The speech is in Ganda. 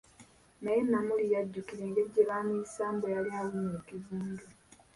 Naye Namuli yajjukira engeri gye bamuyisaamu, bwe yali awunya ekivundu .